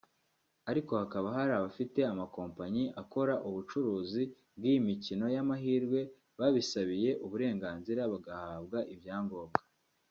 ariko hakaba hari abafite amakompanyi akora ubucuruzi bw’iyi mikino y’amahirwe babisabiye uburenganzira bagahabwa ibyangombwa